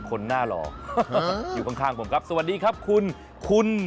คนหน้าหล่ออยู่ข้างผมครับสวัสดีครับคุณคุณ